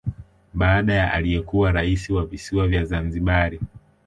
Baada ya aliyekuwa rais wa Visiwa vya Zanzibari